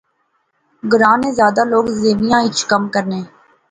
گراں نے زیادہ لوک زیویاں اچ کم کرنے